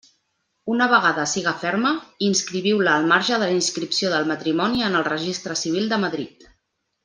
Una vegada siga ferma, inscriviu-la al marge de la inscripció del matrimoni en el Registre Civil de Madrid.